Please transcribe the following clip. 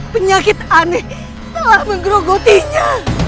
penyakit aneh telah menggerogotinya